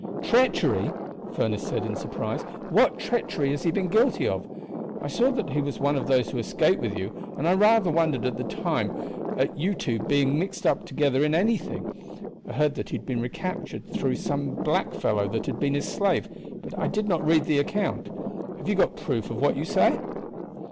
"Treachery!" Furniss said in surprise; "what treachery has he been guilty of? I saw that he was one of those who escaped with you, and I rather wondered at the time at you two being mixed up together in anything. I heard that he had been recaptured through some black fellow that had been his slave, but I did not read the account. Have you got proof of what you say?"